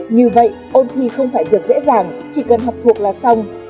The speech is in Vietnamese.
như vậy ôn thi không phải việc dễ dàng chỉ cần học thuộc là xong